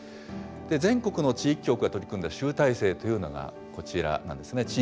全国の地域局が取り組んだ集大成というのがこちらなんですね。